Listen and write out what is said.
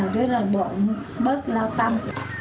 rồi ra bọn bớt lo tâm